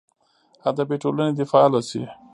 ادبي ټولنې دې فعاله سي.